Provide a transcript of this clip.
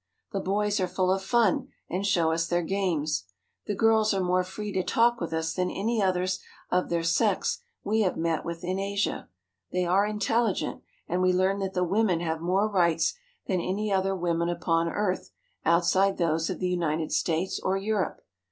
The boys are full of fun, and show us their games. The girls are more free to talk with us than any others of their sex we have met with in Asia. They are intelligent, and we learn that the women have more rights than any other women upon earth outside those of the United States or Europe.